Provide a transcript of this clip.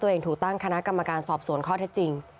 ตัวเองถูกตั้งคณะกรรมการสอบสวนข้อเท็จจริง